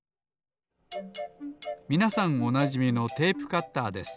みなさんおなじみのテープカッターです。